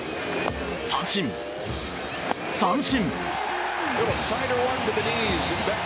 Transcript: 三振、三振。